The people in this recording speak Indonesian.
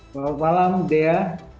selamat malam dea